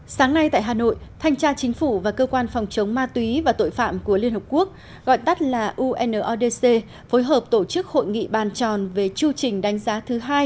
sáng nay tại hà nội thanh tra chính phủ và cơ quan phòng chống ma túy và tội phạm của liên hợp quốc gọi tắt là unodc phối hợp tổ chức hội nghị bàn tròn về chu trình đánh giá thứ hai